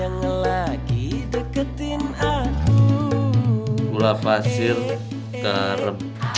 gula pasir garam